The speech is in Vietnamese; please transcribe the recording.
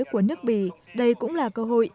của nước bỉ đây cũng là cơ hội